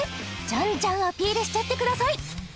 ジャンジャンアピールしちゃってください